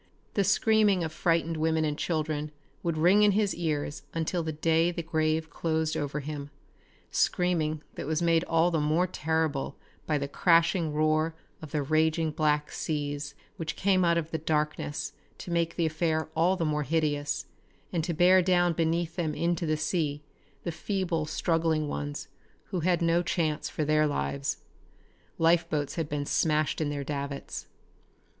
The screaming of frightened women and children would ring in his ears until the day the grave closed over him screaming that was made all the more terrible by the crashing roar of the raging black seas which came out of the darkness to make the affair all the more hideous, and to bear down beneath them into the sea the feeble struggling ones who had no chance for their lives. Lifeboats had been smashed in their davits.